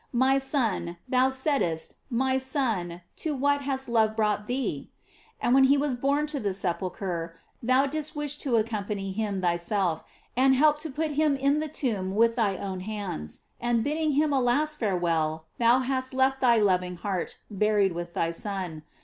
My Son, thou saidst, my Son, to what has love brought thee? And when he was borne to the sepulchre, thou didst wish to accompany him thyself, and help to put him in the tomb with thy own hands; and, bidding him a last farewell, thou hast left thy loving heart buried with thy Son.